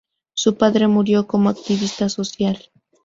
Su padre murió como activista social.